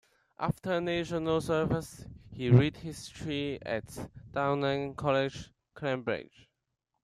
After national service, he read history at Downing College, Cambridge.